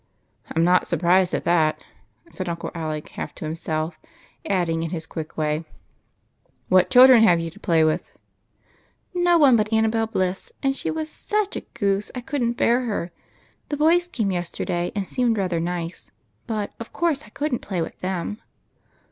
" I 'm not surprised at that," said Uncle Alec, half to himself, adding, in his quick way :" Who have you had to play with ?" "No one but Annabel Bliss, and she was such a goose I could n't bear her. The boys came yesterday, and seemed rather nice ; but, of course, I could n't play with them."